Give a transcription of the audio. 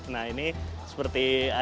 nah ini seperti ada